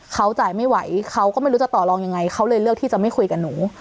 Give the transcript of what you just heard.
เขาจ่ายไม่ไหวเขาก็ไม่รู้จะต่อลองยังไงเขาเลยเลือกที่จะไม่คุยกับหนู